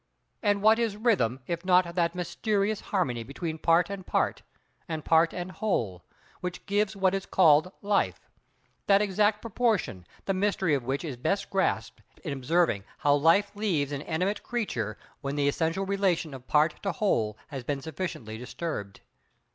And, what is Rhythm if not that mysterious harmony between part and part, and part and whole, which gives what is called life; that exact proportion, the mystery of which is best grasped in observing how life leaves an animate creature when the essential relation of part to whole has been sufficiently disturbed.